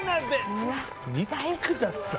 見てください。